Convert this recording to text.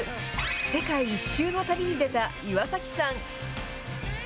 世界一周の旅に出た岩崎さん。